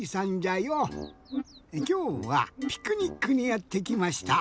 きょうはピクニックにやってきました。